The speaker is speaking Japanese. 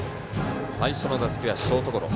最初の打席はショートゴロ。